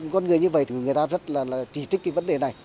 con người như vậy thì người ta rất là trí thức cái vấn đề này